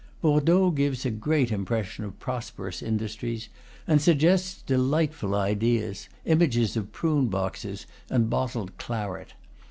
Bordeaux gives a great impression of prosperous industries, and suggests delightful ideas, images of prune boxes and bottled claret.